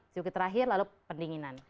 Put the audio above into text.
sirkuit terakhir lalu pendinginan